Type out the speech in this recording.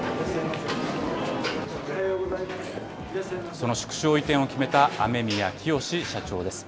その縮小移転を決めた雨宮潔社長です。